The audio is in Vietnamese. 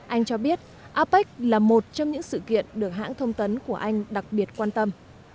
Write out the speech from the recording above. anh cho biết apec là một trong những sự kiện được hãng thông tấn của anh đặc biệt quan tâm